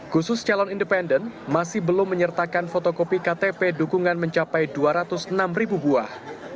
khusus calon independen masih belum menyertakan fotokopi ktp dukungan mencapai dua ratus enam ribu buah